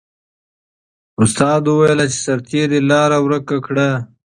استاد وویل چې سرتیري لاره ورکه کړه.